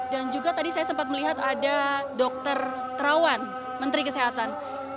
dan juga tadi saya sempat melihat ada dokter trawan menteri kesehatan